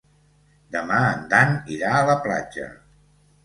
Demà en Dan irà a la platja.